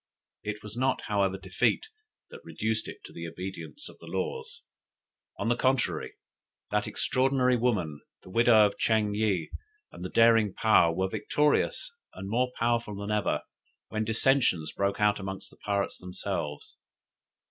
It was not, however, defeat that reduced it to the obedience of the laws. On the contrary, that extraordinary woman, the widow of Ching yih, and the daring Paou, were victorious and more powerful than ever, when dissensions broke out among the pirates themselves.